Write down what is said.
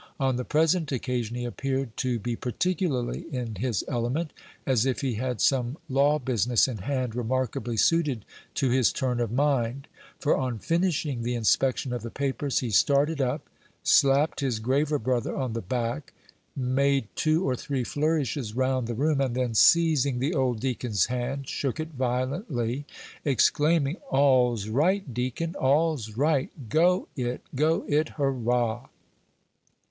On the present occasion he appeared to be particularly in his element, as if he had some law business in hand remarkably suited to his turn of mind; for, on finishing the inspection of the papers, he started up, slapped his graver brother on the back, made two or three flourishes round the room, and then seizing the old deacon's hand, shook it violently, exclaiming, "All's right, deacon, all's right! Go it! go it! hurrah!"